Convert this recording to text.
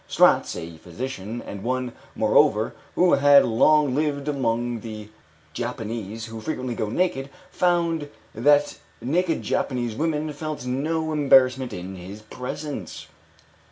Stratz, a physician, and one, moreover, who had long lived among the Javanese who frequently go naked, found that naked Japanese women felt no embarrassment in his presence.